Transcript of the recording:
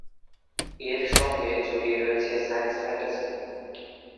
এর সঙ্গে জড়িয়ে রয়েছে সায়েন্স ফ্যান্টাসি।